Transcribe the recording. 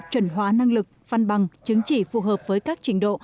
chuẩn hóa năng lực phân bằng chứng chỉ phù hợp với các trình độ